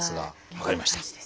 分かりました。